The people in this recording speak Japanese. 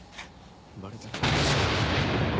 バレたら。